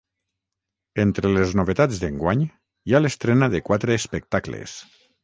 Entre les novetats d’enguany, hi ha l’estrena de quatre espectacles.